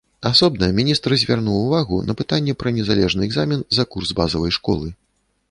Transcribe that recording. Асобна міністр звярнуў увагу на пытанне пра незалежны экзамен за курс базавай школы.